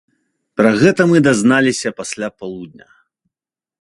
Пра гэта мы дазналіся пасля полудня.